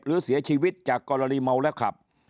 หรือเสียชีวิตจากกรณีเมาและขับ